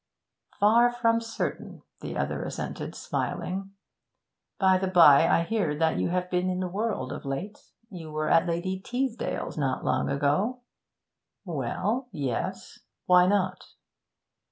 'Far from certain!' the other assented, smiling. 'By the bye, I hear that you have been in the world of late. You were at Lady Teasdale's not long ago.' 'Well yes why not?'